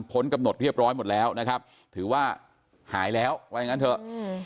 กำหนดเรียบร้อยหมดแล้วนะครับถือว่าหายแล้วว่าอย่างงั้นเถอะ